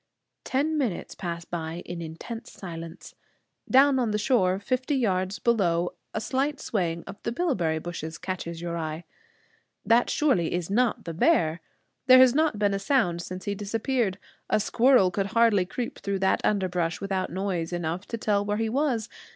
Ten minutes pass by in intense silence. Down on the shore, fifty yards below, a slight swaying of the bilberry bushes catches your eye. That surely is not the bear! There has not been a sound since he disappeared. A squirrel could hardly creep through that underbrush without noise enough to tell where he was.